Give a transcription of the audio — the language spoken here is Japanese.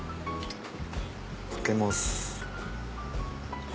掛けます。